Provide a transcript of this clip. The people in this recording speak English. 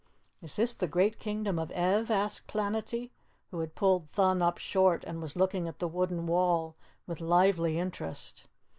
"Is this the great Kingdom of Ev?" asked Planetty, who had pulled Thun up short and was looking at the wooden wall with lively interest.